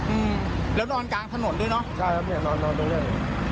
อืมแล้วนอนกลางถนนด้วยเนอะใช่ครับเนี้ยนอนนอนไปเรื่อย